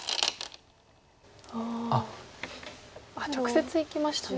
ああ直接いきましたね。